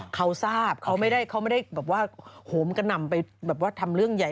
เขาทราบเขาไม่ได้แบบว่าโหมกระหน่ำไปแบบว่าทำเรื่องใหญ่